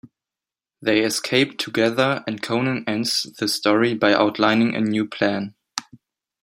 They escape together and Conan ends the story by outlining a new plan.